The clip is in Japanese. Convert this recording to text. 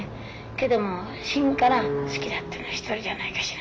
けども心から好きだっていうのは一人じゃないかしら。